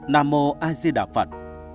nam mô ai di đạ phật